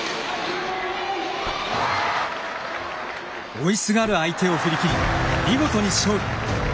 追いすがる相手を振り切り見事に勝利。